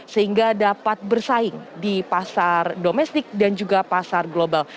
sehingga dapat bersaing di pasar domestik dan juga pasar global